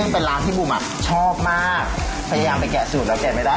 เป็นร้านที่บุ๋มอ่ะชอบมากพยายามไปแกะสูตรแล้วแกะไม่ได้